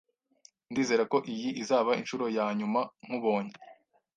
Ndizera ko iyi izaba inshuro ya nyuma nkubonye.